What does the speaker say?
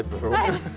ハハハ。